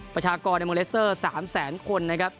ประชากรในโมเลสเตอร์๓แสนคนนะครับ